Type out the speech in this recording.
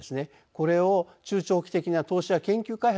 これを中長期的な投資や研究開発に回すのか